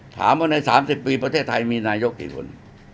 ถามว่าใน๓๐ปีประเทศไทยมีนายกกี่คน